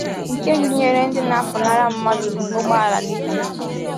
nke gụnyere: ndị na-apụnara mmadụ ụgbọala n'ike